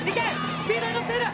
スピードに乗っている！